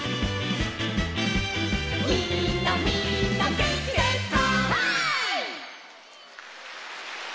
「みんなみんなげんきですか？」